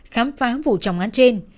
khám phá vụ trọng án trên